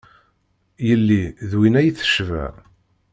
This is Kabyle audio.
Yelli d win ay tecba.